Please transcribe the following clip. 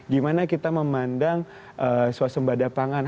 gimana kita memandang suasembada pangan